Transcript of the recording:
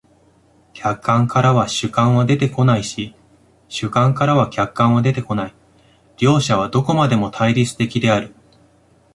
客観からは主観は出てこないし、主観からは客観は出てこない、両者はどこまでも対立的である。